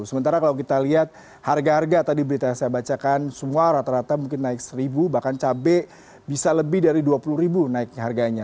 sementara kalau kita lihat harga harga tadi berita yang saya bacakan semua rata rata mungkin naik seribu bahkan cabai bisa lebih dari dua puluh ribu naiknya harganya